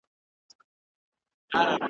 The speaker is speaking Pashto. څه مالونه مي راغلي له اېران دي .